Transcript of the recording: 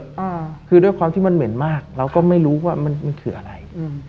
อ่าคือด้วยความที่มันเหม็นมากเราก็ไม่รู้ว่ามันมันคืออะไรอืม